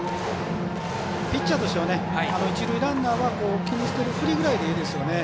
ピッチャーとしては一塁ランナーは気にしているふりぐらいでいいんですよね。